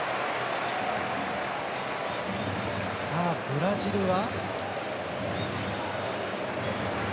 ブラジルは。